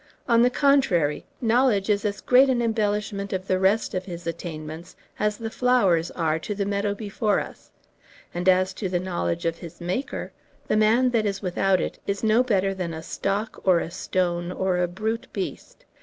On the contrary, knowledge is as great an embellishment of the rest of his attainments, as the flowers are to the meadow before us; and as to the knowledge of his Maker, the man that is without it is no better than a stock or a stone or a brute beast.